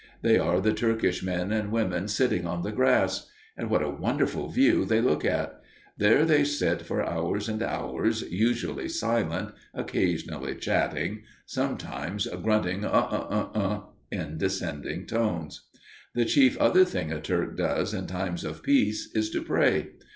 They are the Turkish men and women sitting on the grass. And what a wonderful view they look at! There they sit for hours and hours, usually silent, occasionally chatting, sometimes grunting "Uh, uh, uh, uh," in descending tones. The chief other thing a Turk does in times of peace is to pray.